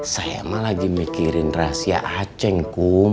saya mah lagi mikirin rahasia aceh kum